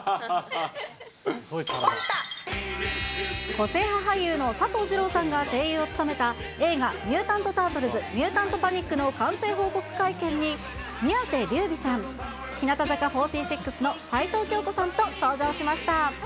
個性派俳優の佐藤二朗さんが声優を務めた映画、ミュータント・タートルズ・ミュータント・パニック！の完成報告会見に、みやせりゅうびさん、日向坂４６の齊藤京子さんと登場しました。